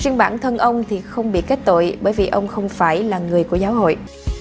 riêng bản thân ông thì không bị kết tội bởi vì ông không phải là người của giáo hội